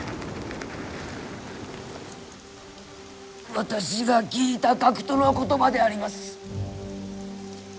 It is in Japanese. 私が聞いた学徒の言葉であります。